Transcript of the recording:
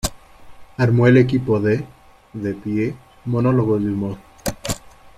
Armó el equipo de "De pie: monólogos de humor".